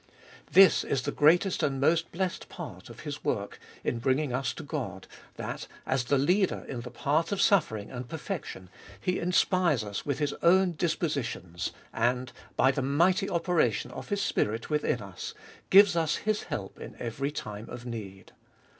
This is the greatest and most blessed part of His work in bringing us to God, that, as the Leader in the path of suffering and perfection, He inspires us with His own dispositions, and, by the mighty operation of His Spirit within us, gives us His help in every time of need.